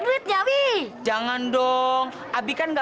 duitnya wih jangan dong abikan nggak